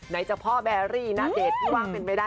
ไหนจะพ่อแบรี่น่าเด็ดว่างเป็นไม่ได้